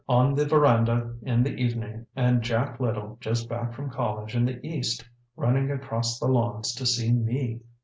On the veranda in the evening, and Jack Little just back from college in the east running across the lawns to see me